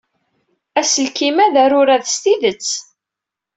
Aselkim-a d arurad s tidet.